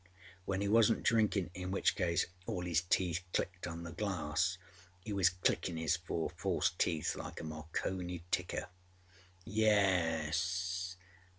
When he wasnât drinkinâ, in which case all âis teeth clicked on the glass, âe was clickinâ âis four false teeth like a Marconi ticker. âYes!